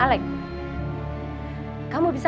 tulis tulis ke mereka ya